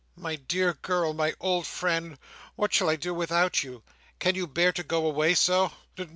"My dear girl, my old friend! What shall I do without you! Can you bear to go away so?"